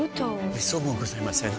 めっそうもございません。